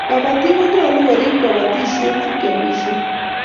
kabatik konyalun korib kabatishiet sikeamishen